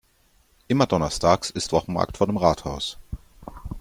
Immer donnerstags ist Wochenmarkt vor dem Rathaus.